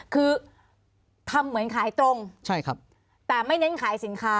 คือทำเหมือนขายตรงใช่ครับแต่ไม่เน้นขายสินค้า